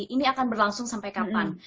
ini akan berlangsung sampai kapan